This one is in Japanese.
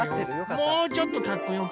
もうちょっとかっこよく。